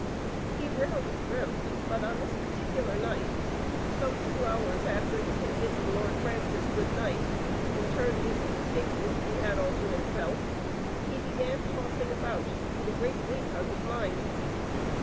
He rarely dreamt, but on this particu lar night, some two hours after he had bidden Lord Francis good night, and turned into the stateroom he had all to himself, he began tossing about with a great weight on his mind.